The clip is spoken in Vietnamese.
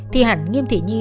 thì hẳn nghiêm thị nhi